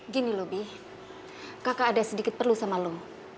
gini loh bi kakak ada sedikit perlu sama lo